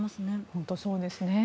本当にそうですね。